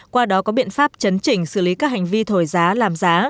qua đó có biện pháp chấn chỉnh xử lý các hành vi thổi giá làm giá